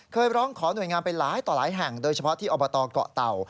ร้องขอหน่วยงานไปหลายต่อหลายแห่งโดยเฉพาะที่อบตเกาะเต่า